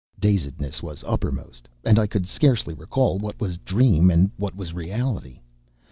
Dazedness was uppermost, and I could scarcely recall what was dream and what was reality.